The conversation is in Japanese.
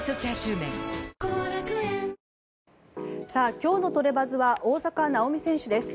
今日のトレバズは大坂なおみ選手です。